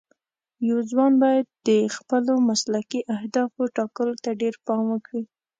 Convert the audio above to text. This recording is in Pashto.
یو ځوان باید د خپلو مسلکي اهدافو ټاکلو ته ډېر پام وکړي.